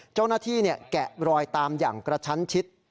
เจ้าหน้าที่เนี่ยแกะรอยตามอย่างกระชั้นชิด